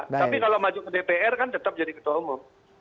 tapi kalau maju ke dpr kan tetap jadi ketua umum